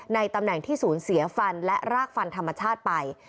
ตำแหน่งที่สูญเสียฟันและรากฟันธรรมชาติไป